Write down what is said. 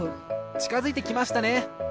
ちかづいてきましたね。